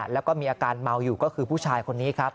แล้วก็มีอาการเมาอยู่ก็คือผู้ชายคนนี้ครับ